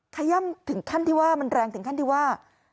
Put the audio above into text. ขย่ำถึงขั้นที่ว่ามันแรงถึงขั้นที่ว่า